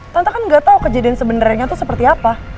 tante kan gak tau kejadian sebenarnya tuh seperti apa